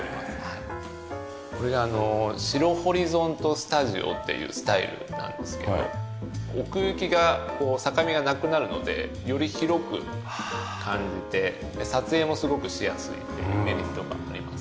これが白ホリゾントスタジオというスタイルなんですけど奥行きが境目がなくなるのでより広く感じて撮影もすごくしやすいというメリットがあります。